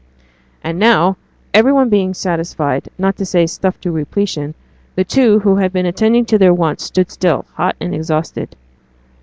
And now, every one being satisfied, not to say stuffed to repletion, the two who had been attending to their wants stood still, hot and exhausted.